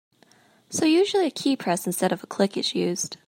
So usually a keypress instead of a click is used.